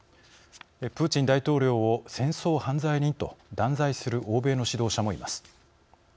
プーチン大統領を戦争犯罪人と断罪する欧米の指導者もいます。